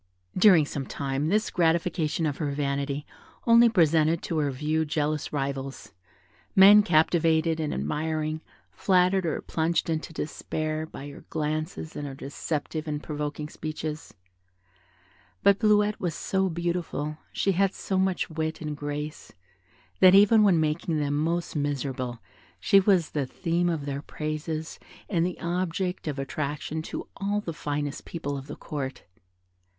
During some time this gratification of her vanity only presented to her view jealous rivals, men captivated and admiring, flattered or plunged into despair, by her glances and her deceptive and provoking speeches; but Bleuette was so beautiful, she had so much wit and grace, that, even when making them most miserable, she was the theme of their praises and the object of attraction to all the finest people of the Court.